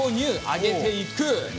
揚げていく。